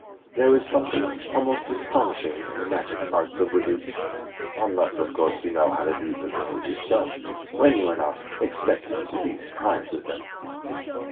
There is something almost astonishing in the magic arts of wizards; unless, of course, you know how to do the things yourself, when you are not expected to be surprised at them.